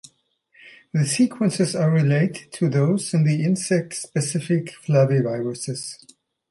The sequences are related to those in the insect specific flaviviruses.